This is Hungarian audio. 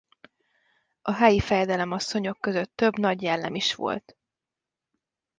A helyi fejedelemasszonyok között több nagy jellem is volt.